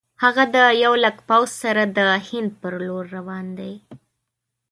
هغه د یو لک پوځ سره د هند پر لور روان دی.